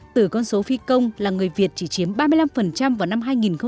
từ con số phi công là người việt chỉ chiếm ba mươi năm vào năm hai nghìn chín